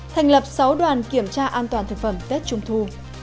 thành lập sáu đoàn kiểm tra an toàn thực phẩm tết trung thu